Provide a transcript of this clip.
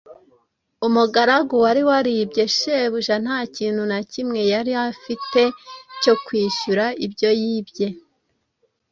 Umugaragu wari waribye shebuja nta kintu na kimwe yari afite cyo kwishyura ibyo yibye.